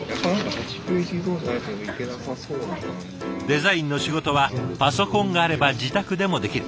デザインの仕事はパソコンがあれば自宅でもできる。